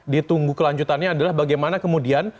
ditunggu kelanjutannya adalah bagaimana kemudian